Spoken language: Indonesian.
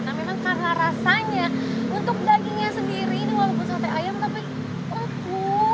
karena memang karena rasanya untuk dagingnya sendiri ini walaupun sate ayam tapi empuk